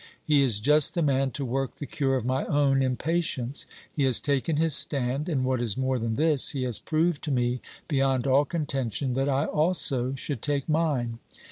He is just the man to work the cure of my own impatience ; he has taken his stand, and what is more than this, he has proved to me, beyond all contention, that I also should take mine.